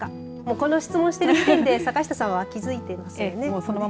この質問をしている時点で坂下さんは気づいてますよね。